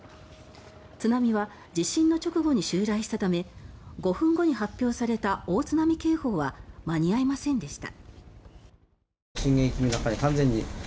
津波は地震の直後に襲来したため５分後に発表された大津波警報は間に合いませんでした。